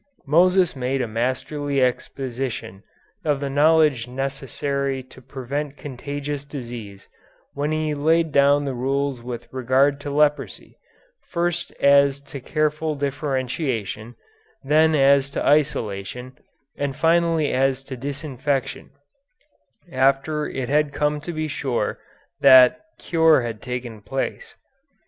Moses made a masterly exposition of the knowledge necessary to prevent contagious disease when he laid down the rules with regard to leprosy, first as to careful differentiation, then as to isolation, and finally as to disinfection after it had come to be sure that cure had taken place.